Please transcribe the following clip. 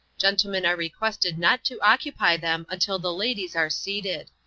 Gentlemen are requested not to occupy them until the ladies are seated."